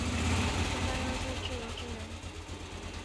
则弗里曼照字面上来看就是自由之人。